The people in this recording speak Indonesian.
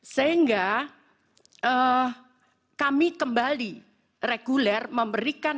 sehingga kami kembali reguler memberikan